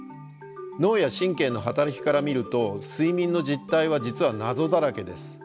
脳や神経の働きから見ると睡眠の実態は実は謎だらけです。